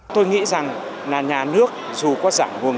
tôi nghĩ rằng là nhà nước dù có giảm nguồn